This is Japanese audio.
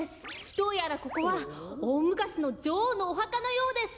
どうやらここはおおむかしのじょおうのおはかのようです。